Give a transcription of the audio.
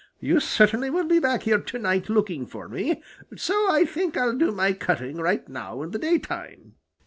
You certainly will be back here to night looking for me, so I think I'll do my cutting right now in the daytime."